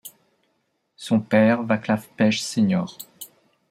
Son père Václav Pech sr.